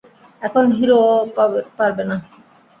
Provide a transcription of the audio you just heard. এখন হিরোও পারবে না।